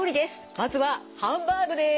まずはハンバーグです。